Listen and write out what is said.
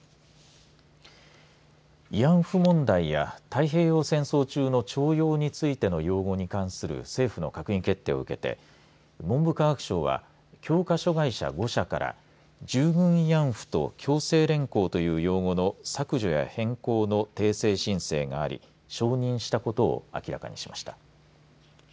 慰安婦問題や太平洋戦争中の徴用についての用語に関する政府の閣議決定を受けて文部科学省は教科書会社５社から従軍慰安婦と強制連行という用語の削除や変更の訂正申請があり承認したことを明らかにしました。